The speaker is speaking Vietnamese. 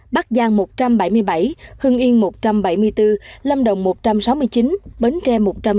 bắc giang một trăm bảy mươi bảy hưng yên một trăm bảy mươi bốn lâm đồng một trăm sáu mươi chín bến tre một trăm sáu mươi